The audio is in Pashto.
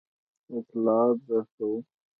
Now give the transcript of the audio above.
اطلاعات درکوو.